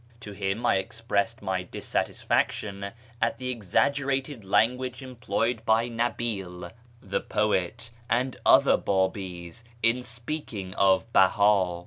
To him I expressed my dissatisfaction at the exaggerated language employed by Nabil, the poet, and other Babis in speaking of Beha.